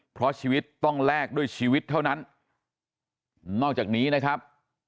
เพราะชีวิตต้องแลกด้วยชีวิตเท่านั้นนอกจากนี้นะครับ